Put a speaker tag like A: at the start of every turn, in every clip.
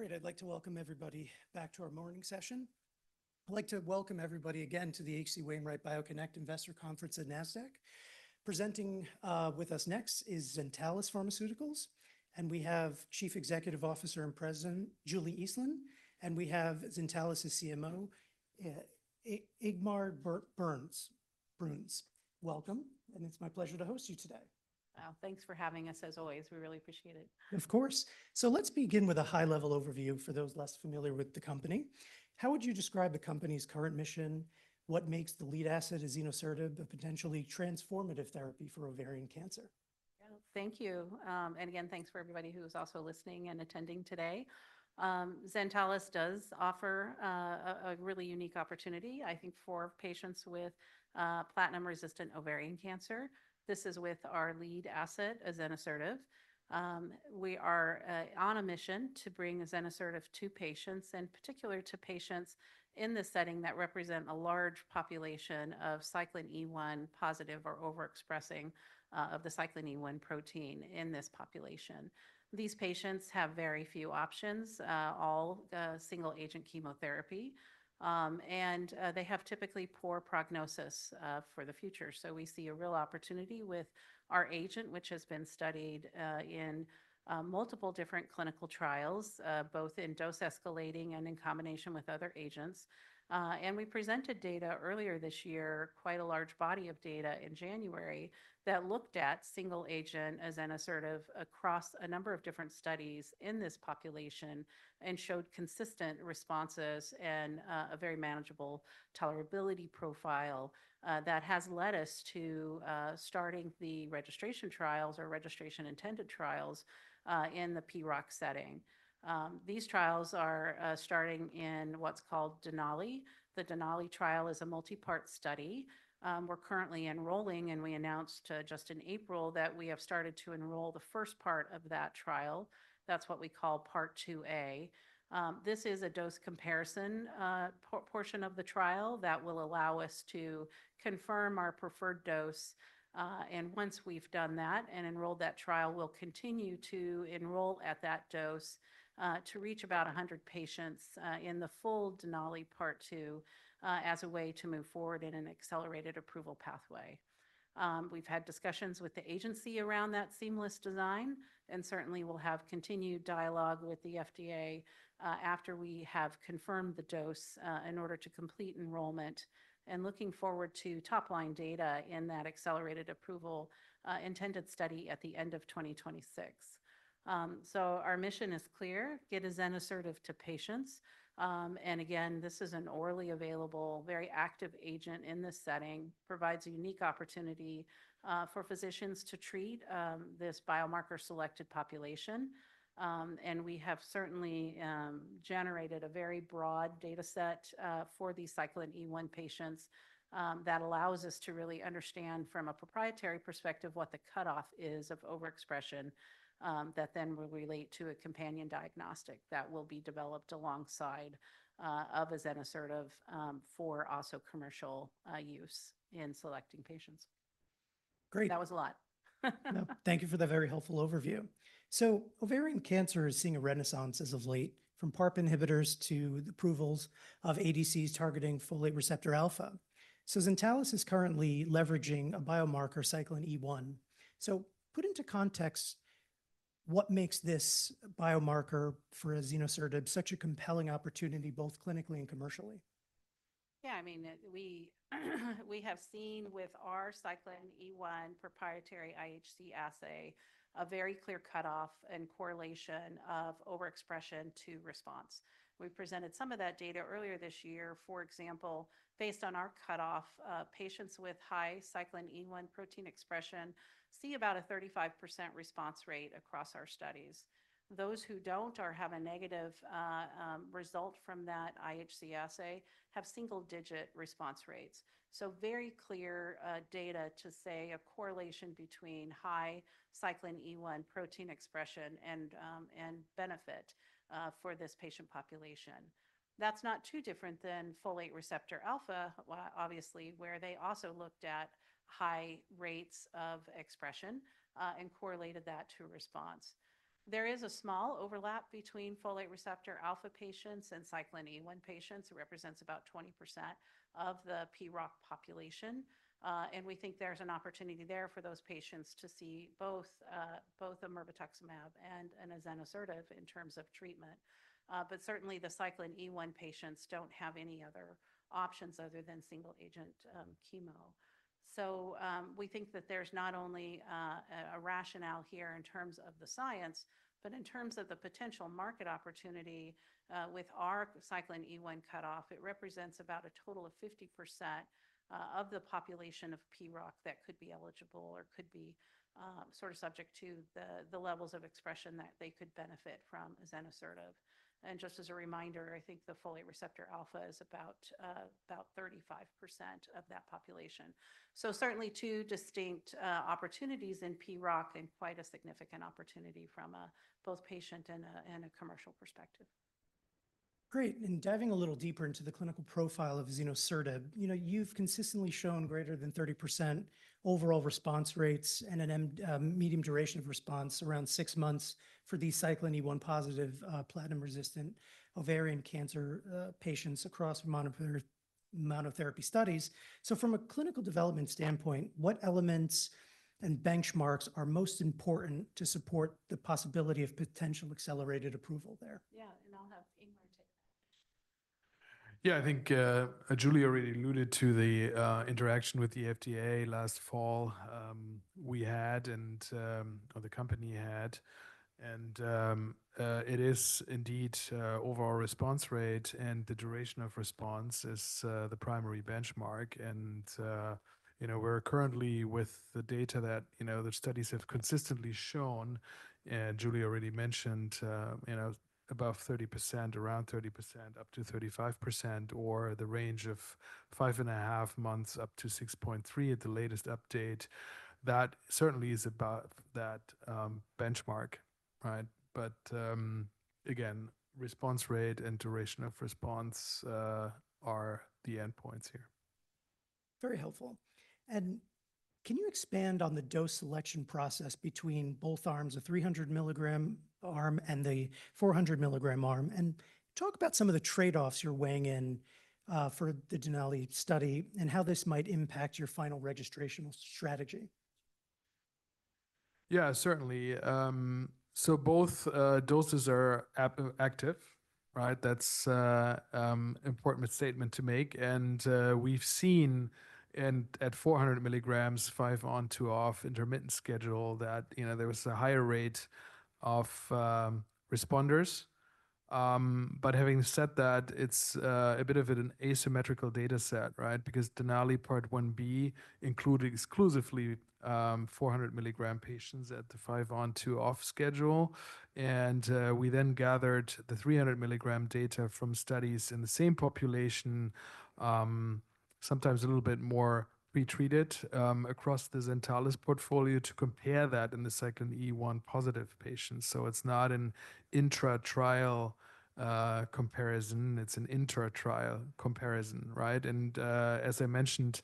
A: Great. I'd like to welcome everybody back to our morning session. I'd like to welcome everybody again to the H.C. Wainwright BioConnect Investor Conference at NASDAQ. Presenting with us next is Zentalis Pharmaceuticals, and we have Chief Executive Officer and President Julie Eastland, and we have Zentalis' CMO, Ingmar Bruns. Welcome, and it's my pleasure to host you today.
B: Wow, thanks for having us, as always. We really appreciate it.
A: Of course. Let's begin with a high-level overview for those less familiar with the company. How would you describe the company's current mission? What makes the lead asset azenosertib a potentially transformative therapy for ovarian cancer?
B: Thank you. Again, thanks for everybody who's also listening and attending today. Zentalis does offer a really unique opportunity, I think, for patients with platinum-resistant ovarian cancer. This is with our lead asset, azenosertib. We are on a mission to bring azenosertib to patients, in particular to patients in this setting that represent a large population of cyclin E1 positive or overexpressing of the cyclin E1 protein in this population. These patients have very few options, all single-agent chemotherapy, and they have typically poor prognosis for the future. We see a real opportunity with our agent, which has been studied in multiple different clinical trials, both in dose-escalating and in combination with other agents. We presented data earlier this year, quite a large body of data in January, that looked at single-agent azenosertib across a number of different studies in this population and showed consistent responses and a very manageable tolerability profile that has led us to starting the registration trials or registration-intended trials in the PROC setting. These trials are starting in what's called Denali. The Denali trial is a multi-part study. We're currently enrolling, and we announced just in April that we have started to enroll the first part of that trial. That's what we call Part 2A. This is a dose comparison portion of the trial that will allow us to confirm our preferred dose. Once we've done that and enrolled that trial, we'll continue to enroll at that dose to reach about 100 patients in the full Denali Part two as a way to move forward in an accelerated approval pathway. We've had discussions with the agency around that seamless design, and certainly we'll have continued dialogue with the FDA after we have confirmed the dose in order to complete enrollment and looking forward to top-line data in that accelerated approval-intended study at the end of 2026. Our mission is clear: get azenosertib to patients. Again, this is an orally available, very active agent in this setting, provides a unique opportunity for physicians to treat this biomarker-selected population. We have certainly generated a very broad data set for these cyclin E1 patients that allows us to really understand, from a proprietary perspective, what the cutoff is of overexpression that then will relate to a companion diagnostic that will be developed alongside azenosertib for also commercial use in selecting patients.
A: Great.
B: That was a lot.
A: No, thank you for the very helpful overview. Ovarian cancer is seeing a renaissance as of late, from PARP inhibitors to the approvals of ADCs targeting folate receptor alpha. Zentalis is currently leveraging a biomarker, cyclin E1. Put into context, what makes this biomarker for azenosertib such a compelling opportunity, both clinically and commercially?
B: Yeah, I mean, we have seen with our cyclin E1 proprietary IHC assay a very clear cutoff and correlation of overexpression to response. We presented some of that data earlier this year, for example, based on our cutoff. Patients with high cyclin E1 protein expression see about a 35% response rate across our studies. Those who do not or have a negative result from that IHC assay have single-digit response rates. Very clear data to say a correlation between high cyclin E1 protein expression and benefit for this patient population. That is not too different than folate receptor alpha, obviously, where they also looked at high rates of expression and correlated that to response. There is a small overlap between folate receptor alpha patients and cyclin E1 patients. It represents about 20% of the PROC population. We think there is an opportunity there for those patients to see both a mirvetuximab and azenosertib in terms of treatment. Certainly, the cyclin E1 patients do not have any other options other than single-agent chemo. We think that there is not only a rationale here in terms of the science, but in terms of the potential market opportunity with our cyclin E1 cutoff. It represents about a total of 50% of the population of PROC that could be eligible or could be sort of subject to the levels of expression that they could benefit from azenosertib. Just as a reminder, I think the folate receptor alpha is about 35% of that population. Certainly, two distinct opportunities in PROC and quite a significant opportunity from both a patient and a commercial perspective.
A: Great. Diving a little deeper into the clinical profile of azenosertib, you've consistently shown greater than 30% overall response rates and a median duration of response around six months for these cyclin E1-positive, platinum-resistant ovarian cancer patients across monotherapy studies. From a clinical development standpoint, what elements and benchmarks are most important to support the possibility of potential accelerated approval there?
B: Yeah, and I'll have Ingmar take that.
C: Yeah, I think Julie already alluded to the interaction with the FDA last fall we had, and the company had. It is indeed overall response rate and the duration of response is the primary benchmark. We're currently with the data that the studies have consistently shown, and Julie already mentioned, above 30%, around 30%, up to 35%, or the range of five and a half months up to 6.3 at the latest update. That certainly is about that benchmark, right? Again, response rate and duration of response are the endpoints here.
A: Very helpful. Can you expand on the dose selection process between both arms, the 300 mg arm and the 400 mg arm? Talk about some of the trade-offs you're weighing in for the Denali study and how this might impact your final registrational strategy.
C: Yeah, certainly. So both doses are active, right? That's an important statement to make. We've seen at 400 mgs, five on, two off, intermittent schedule, that there was a higher rate of responders. Having said that, it's a bit of an asymmetrical data set, right? Because Denali Part 1B included exclusively 400 mg patients at the five on, two off schedule. We then gathered the 300 mg data from studies in the same population, sometimes a little bit more pretreated across the Zentalis portfolio to compare that in the cyclin E1 positive patients. It's not an intra-trial comparison. It's an inter-trial comparison, right? As I mentioned,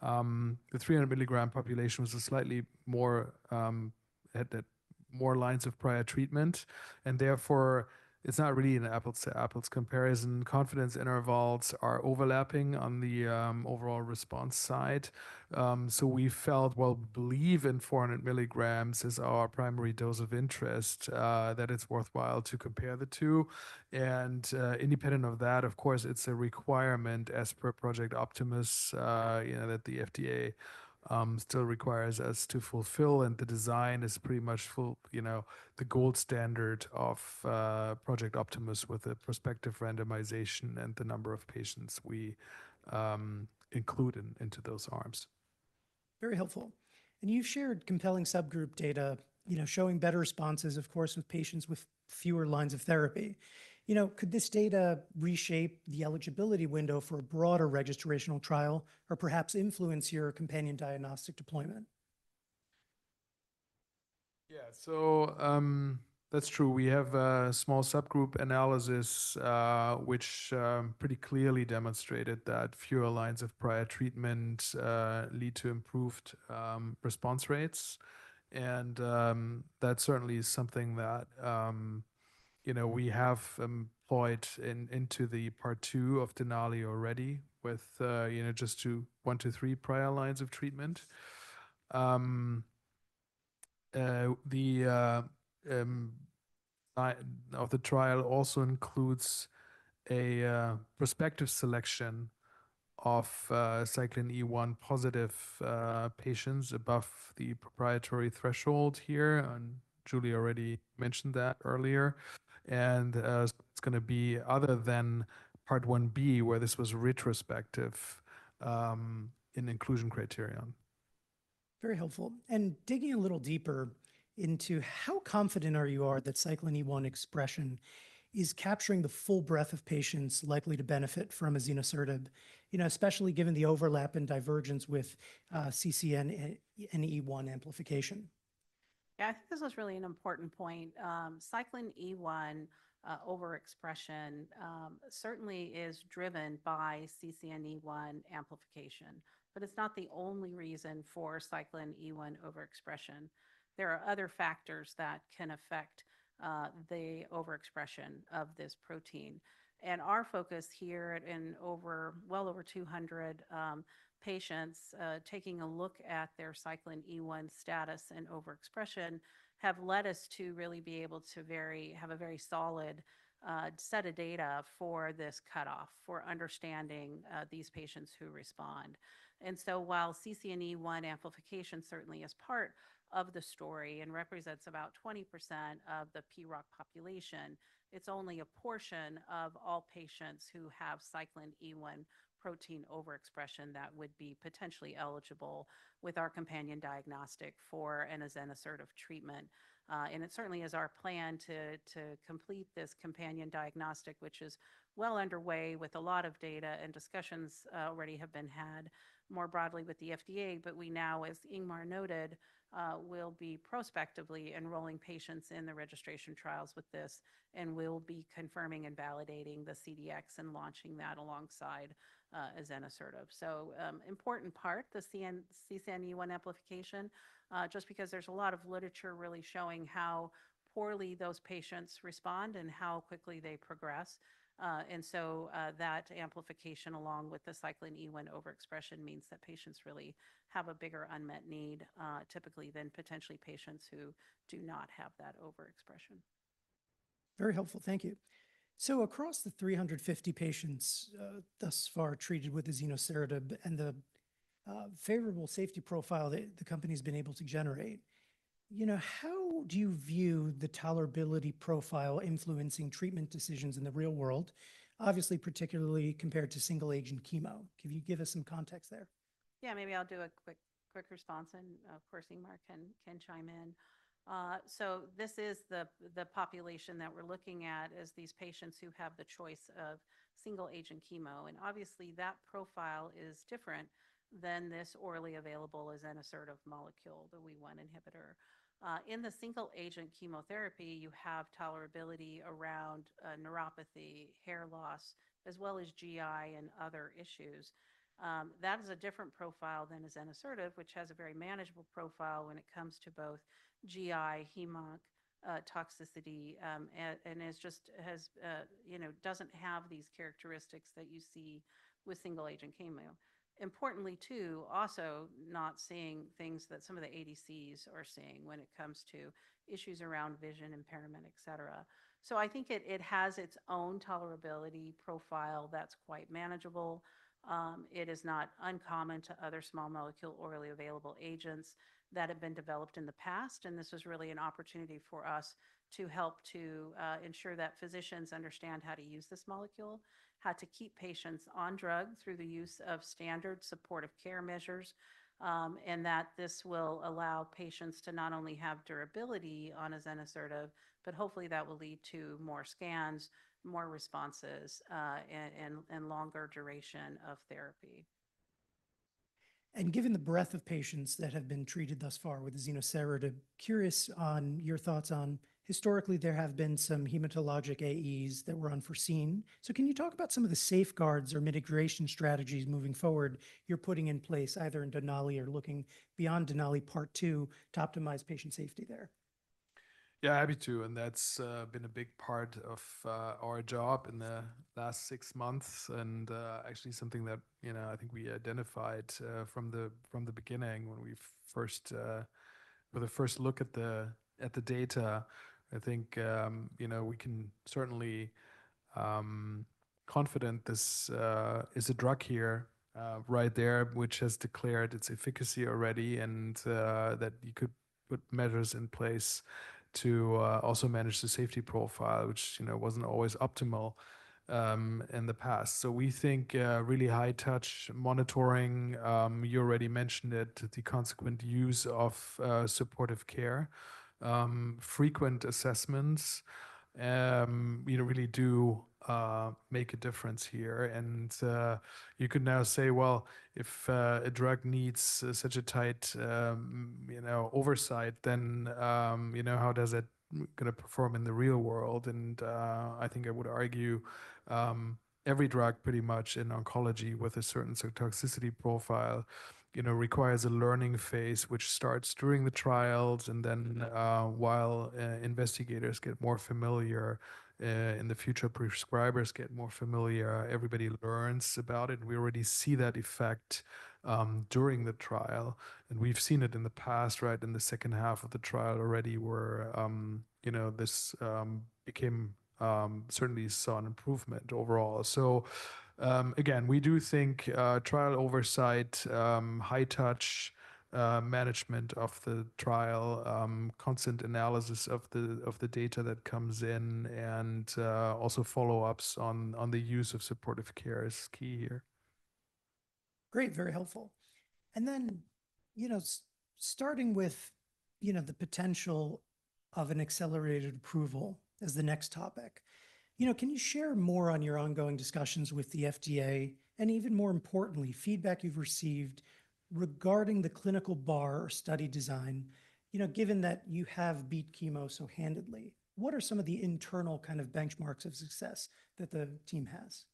C: the 300 mg population was slightly more lines of prior treatment. Therefore, it's not really an apples-to-apples comparison. Confidence intervals are overlapping on the overall response side. We felt, well, believe in 400 mgs as our primary dose of interest, that it's worthwhile to compare the two. Independent of that, of course, it's a requirement as per Project Optimus that the FDA still requires us to fulfill. The design is pretty much the gold standard of Project Optimus with the prospective randomization and the number of patients we include into those arms.
A: Very helpful. You have shared compelling subgroup data showing better responses, of course, with patients with fewer lines of therapy. Could this data reshape the eligibility window for a broader registrational trial or perhaps influence your companion diagnostic deployment?
C: Yeah, so that's true. We have a small subgroup analysis, which pretty clearly demonstrated that fewer lines of prior treatment lead to improved response rates. That's certainly something that we have employed into the part two of Denali already with just one to three prior lines of treatment. The trial also includes a prospective selection of cyclin E1 positive patients above the proprietary threshold here. Julie already mentioned that earlier. It's going to be other than part 1B, where this was retrospective in inclusion criterion.
A: Very helpful. And digging a little deeper into how confident are you that cyclin E1 expression is capturing the full breadth of patients likely to benefit from azenosertib, especially given the overlap and divergence with CCNE1 amplification?
B: Yeah, I think this was really an important point. Cyclin E1 overexpression certainly is driven by CCNE1 amplification, but it's not the only reason for cyclin E1 overexpression. There are other factors that can affect the overexpression of this protein. Our focus here in well over 200 patients, taking a look at their cyclin E1 status and overexpression, have led us to really be able to have a very solid set of data for this cutoff for understanding these patients who respond. While CCNE1 amplification certainly is part of the story and represents about 20% of the PROC population, it's only a portion of all patients who have cyclin E1 protein overexpression that would be potentially eligible with our companion diagnostic for azenosertib treatment. It certainly is our plan to complete this companion diagnostic, which is well underway with a lot of data and discussions already have been had more broadly with the FDA. We now, as Ingmar noted, will be prospectively enrolling patients in the registration trials with this, and we'll be confirming and validating the CDX and launching that alongside azenosertib. An important part, the CCNE1 amplification, just because there's a lot of literature really showing how poorly those patients respond and how quickly they progress. That amplification along with the cyclin E1 overexpression means that patients really have a bigger unmet need typically than potentially patients who do not have that overexpression.
A: Very helpful. Thank you. Across the 350 patients thus far treated with azenosertib and the favorable safety profile that the company has been able to generate, how do you view the tolerability profile influencing treatment decisions in the real world, obviously particularly compared to single-agent chemo? Can you give us some context there?
B: Yeah, maybe I'll do a quick response and, of course, Ingmar can chime in. This is the population that we're looking at as these patients who have the choice of single-agent chemo. Obviously, that profile is different than this orally available azenosertib molecule, the WEE1 inhibitor. In the single-agent chemotherapy, you have tolerability around neuropathy, hair loss, as well as GI and other issues. That is a different profile than azenosertib, which has a very manageable profile when it comes to both GI, hem-onc toxicity, and just does not have these characteristics that you see with single-agent chemo. Importantly, too, also not seeing things that some of the ADCs are seeing when it comes to issues around vision impairment, et cetera. I think it has its own tolerability profile that is quite manageable. It is not uncommon to other small molecule orally available agents that have been developed in the past. This was really an opportunity for us to help to ensure that physicians understand how to use this molecule, how to keep patients on drugs through the use of standard supportive care measures, and that this will allow patients to not only have durability on azenosertib, but hopefully that will lead to more scans, more responses, and longer duration of therapy.
A: Given the breadth of patients that have been treated thus far with azenosertib, curious on your thoughts on historically, there have been some hematologic AEs that were unforeseen. Can you talk about some of the safeguards or mitigation strategies moving forward you're putting in place either in Denali or looking beyond Denali Part two to optimize patient safety there?
C: Yeah, I'm happy to. That's been a big part of our job in the last six months and actually something that I think we identified from the beginning when we first, with a first look at the data. I think we can certainly be confident this is a drug here right there, which has declared its efficacy already and that you could put measures in place to also manage the safety profile, which was not always optimal in the past. We think really high-touch monitoring, you already mentioned it, the consequent use of supportive care, frequent assessments really do make a difference here. You could now say, if a drug needs such a tight oversight, then how is it going to perform in the real world? I think I would argue every drug pretty much in oncology with a certain toxicity profile requires a learning phase, which starts during the trials. Then while investigators get more familiar, in the future, prescribers get more familiar, everybody learns about it. We already see that effect during the trial. We've seen it in the past, right, in the second half of the trial already where this became certainly saw an improvement overall. We do think trial oversight, high-touch management of the trial, constant analysis of the data that comes in, and also follow-ups on the use of supportive care is key here.
A: Great. Very helpful. Starting with the potential of an accelerated approval as the next topic, can you share more on your ongoing discussions with the FDA and even more importantly, feedback you've received regarding the clinical bar or study design, given that you have beat chemo so handedly? What are some of the internal kind of benchmarks of success that the team has?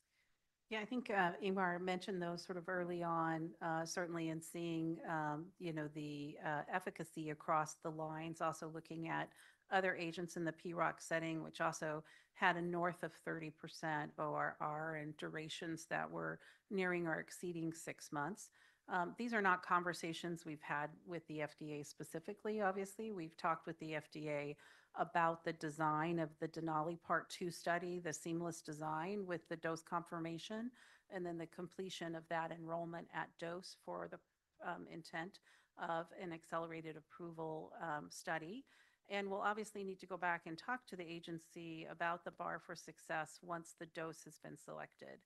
B: Yeah, I think Ingmar mentioned those sort of early on, certainly in seeing the efficacy across the lines, also looking at other agents in the PROC setting, which also had a north of 30% ORR and durations that were nearing or exceeding six months. These are not conversations we've had with the FDA specifically. Obviously, we've talked with the FDA about the design of the Denali Part two study, the seamless design with the dose confirmation, and then the completion of that enrollment at dose for the intent of an accelerated approval study. We'll obviously need to go back and talk to the agency about the bar for success once the dose has been selected.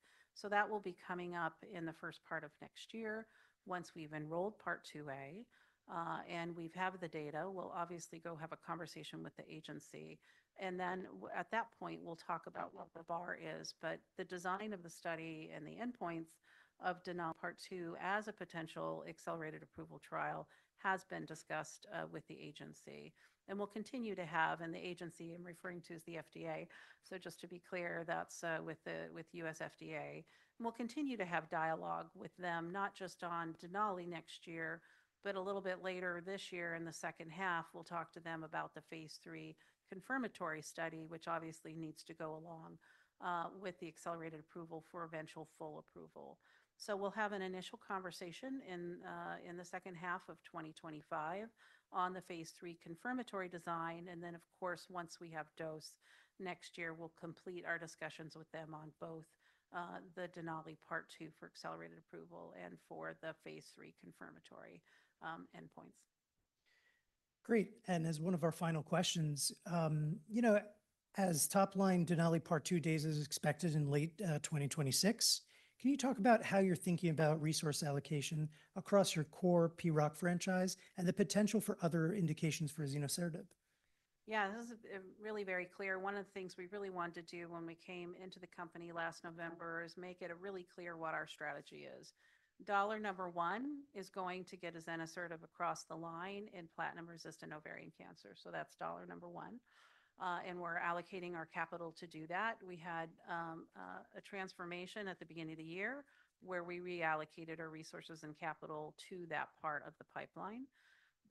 B: That will be coming up in the first part of next year once we've enrolled Part 2A. Once we've had the data, we'll obviously go have a conversation with the agency. At that point, we'll talk about what the bar is. The design of the study and the endpoints of part two as a potential accelerated approval trial has been discussed with the agency. We'll continue to have, and the agency I'm referring to is the FDA. Just to be clear, that's with US FDA. We'll continue to have dialogue with them, not just on Denali next year, but a little bit later this year in the second half, we'll talk to them about the phase III confirmatory study, which obviously needs to go along with the accelerated approval for eventual full approval. We'll have an initial conversation in the second half of 2025 on the phase III confirmatory design. Of course, once we have dose next year, we'll complete our discussions with them on both the Denali part two for accelerated approval and for the phase III confirmatory endpoints.
A: Great. As one of our final questions, as top line Denali part two data is expected in late 2026, can you talk about how you're thinking about resource allocation across your core PROC franchise and the potential for other indications for azenosertib?
B: Yeah, that was really very clear. One of the things we really wanted to do when we came into the company last November is make it really clear what our strategy is. Dollar number one is going to get azenosertib across the line in platinum-resistant ovarian cancer. So that's dollar number one. And we're allocating our capital to do that. We had a transformation at the beginning of the year where we reallocated our resources and capital to that part of the pipeline.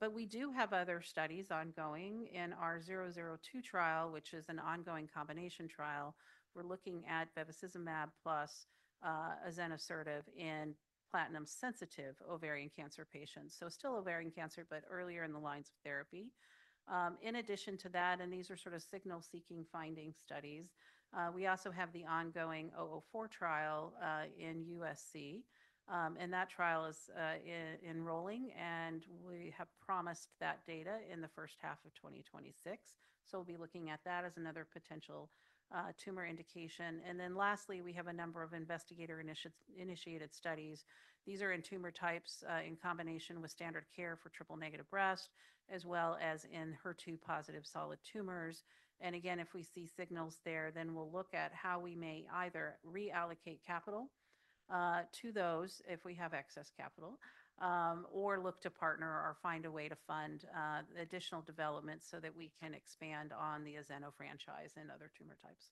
B: But we do have other studies ongoing. In our 002 trial, which is an ongoing combination trial, we're looking at bevacizumab plus azenosertib in platinum-sensitive ovarian cancer patients. So still ovarian cancer, but earlier in the lines of therapy. In addition to that, and these are sort of signal-seeking finding studies, we also have the ongoing 004 trial in USC. And that trial is enrolling. We have promised that data in the first half of 2026. We will be looking at that as another potential tumor indication. Lastly, we have a number of investigator-initiated studies. These are in tumor types in combination with standard care for triple-negative breast, as well as in HER2-positive solid tumors. Again, if we see signals there, we will look at how we may either reallocate capital to those if we have excess capital or look to partner or find a way to fund additional development so that we can expand on the xeno franchise and other tumor types.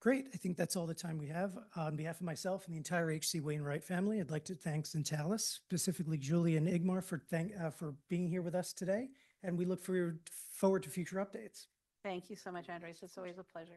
A: Great. I think that's all the time we have. On behalf of myself and the entire H.C. Wainwright family, I'd like to thank Zentalis Pharmaceuticals, specifically Julie and Ingmar for being here with us today. We look forward to future updates.
B: Thank you so much, Andres. It's always a pleasure.